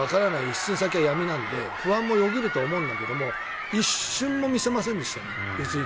一寸先は闇なので不安もよぎると思いますが一瞬もミスりませんでしたね。